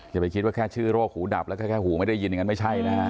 อย่าไปคิดว่าแค่ชื่อโรคหูดับแล้วก็แค่หูไม่ได้ยินอย่างนั้นไม่ใช่นะฮะ